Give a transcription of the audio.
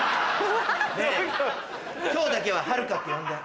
今日だけは遥香って呼んで。